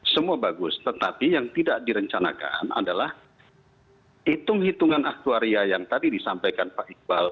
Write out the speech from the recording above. semua bagus tetapi yang tidak direncanakan adalah hitung hitungan aktuaria yang tadi disampaikan pak iqbal